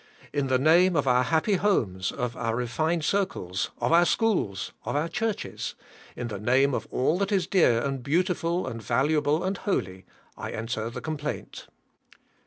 In the name of our happy homes, of our refined circles, of our schools, of our churches, in the name of all that is dear and beautiful and valuable and holy, I enter the complaint.